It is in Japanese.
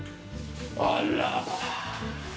あら。